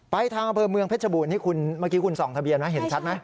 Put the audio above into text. ไปทางอเมืองเพชรบูรณ์นี่เมื่อกี้คุณส่องทะเบียนเห็นชัดไหม